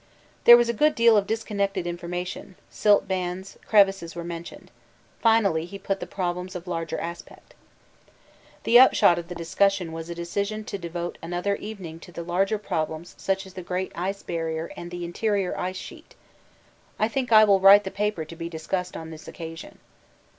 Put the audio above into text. There was a good deal of disconnected information silt bands, crevasses were mentioned. Finally he put the problems of larger aspect. The upshot of the discussion was a decision to devote another evening to the larger problems such as the Great Ice Barrier and the interior ice sheet. I think I will write the paper to be discussed on this occasion.